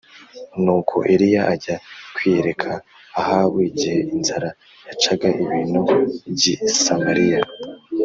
Nuko Eliya ajya kwiyereka Ahabu igihe inzara yacaga ibintu g i Samariya